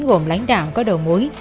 gồm lãnh đạo có đầu mũi